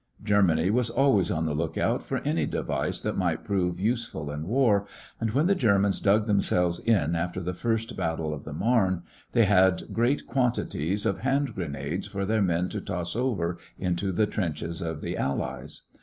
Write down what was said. Germany was always on the lookout for any device that might prove useful in war, and when the Germans dug themselves in after the First Battle of the Marne, they had large quantities of hand grenades for their men to toss over into the trenches of the Allies.